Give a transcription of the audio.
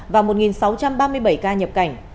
và một sáu trăm ba mươi bảy ca nhập cảnh